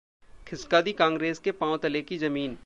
खिसका दी कांग्रेस के पांव तले की जमीन